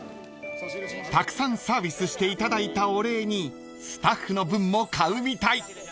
［たくさんサービスしていただいたお礼にスタッフの分も買うみたい］